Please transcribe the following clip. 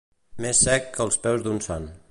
Més sec que els peus d'un sant.